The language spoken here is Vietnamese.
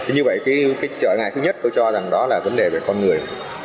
như vậy cái trở ngại thứ nhất tôi cho rằng đó là vấn đề về con người